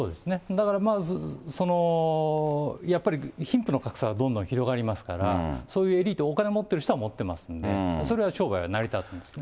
だからまず、そのやっぱり、貧富の格差はどんどん広がりますから、そういうエリート、お金持ってる人は持ってますので、それは商売が成り立つんですね。